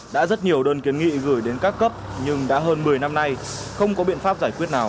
đã rất nhiều đơn kiến nghị gửi đến các cấp nhưng đã hơn một mươi năm nay không có biện pháp giải quyết nào